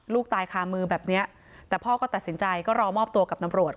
ลูกตายคามือแบบนี้แต่พ่อก็ตัดสินใจก็รอมอบตัวกับตำรวจ